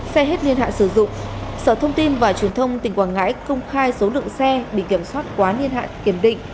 xe hết niên hạn sử dụng sở thông tin và truyền thông tỉnh quảng ngãi công khai số lượng xe bị kiểm soát quá niên hạn kiểm định